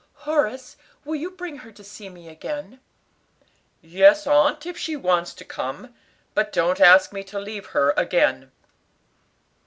"Horace, will you bring her to see me again?" "Yes, aunt, if she wants to come. But don't ask me to leave her again."